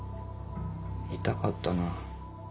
痛かったな。